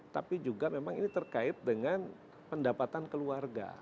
tapi juga memang ini terkait dengan pendapatan keluarga